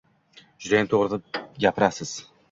Judayam to‘g‘ri gapiz.